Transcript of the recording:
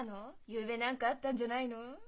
ゆうべ何かあったんじゃないの？